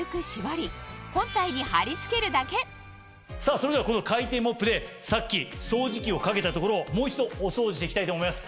それではこの回転モップでさっき掃除機をかけた所をもう一度お掃除していきたいと思います。